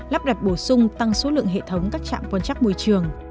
lắp đặt bổ sung tăng số lượng hệ thống các trạm quan trắc môi trường